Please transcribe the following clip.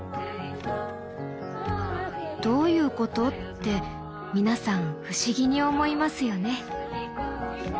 どういうこと？って皆さん不思議に思いますよね。